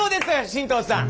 神藤さん。